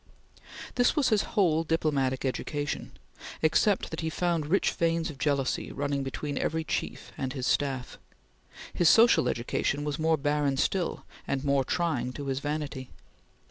This was his whole diplomatic education, except that he found rich veins of jealousy running between every chief and his staff. His social education was more barren still, and more trying to his vanity.